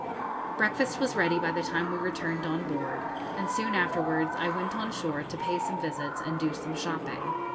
Breakfast was ready by the time we returned on board, and soon afterwards I went on shore to pay some visits and to do some shopping.